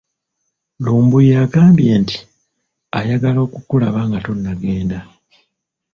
Lumbuye agambye nti ayagala okukulaba nga tonnagenda.